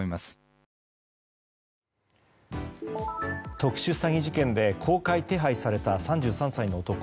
特殊詐欺事件で公開手配された３３歳の男。